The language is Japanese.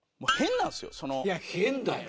いや変だよ。